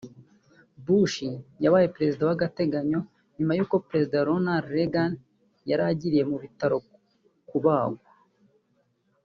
Bush yabaye perezida w’agateganyo nyuma y’uko perezida Ronald Reagan yaragiye mu bitaro kubagwa